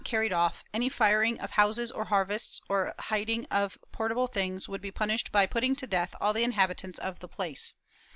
II] EXPULSlOHf 395 carried off, any firing of houses or harvests or hiding of portable things would be punished by putting to death all the inhabitants of the place.